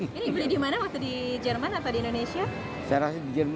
ini kuliah di mana waktu di jerman atau di indonesia